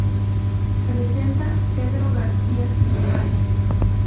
Presenta: Pedro García de Val.